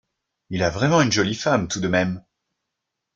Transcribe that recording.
Il a vraiment une jolie femme tout de même !